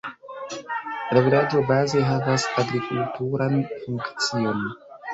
La vilaĝo baze havas agrikulturan funkcion.